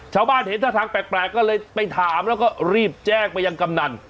ชาวบ้านเห็นท่าทางแปลกก็เลยไปถามแล้วก็รีบแจ้งไปยังกำนัน